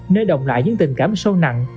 nơi đồng lại những tình cảm sâu nặng